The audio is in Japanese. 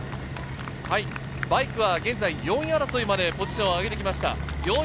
バイクは現在４位争いまでポジションを上げてきました。